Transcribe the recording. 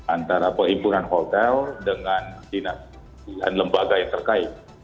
antara penghimpunan hotel dengan dinas dan lembaga yang terkait